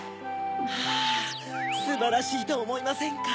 あすばらしいとおもいませんか？